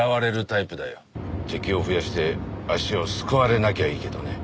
敵を増やして足をすくわれなきゃいいけどね。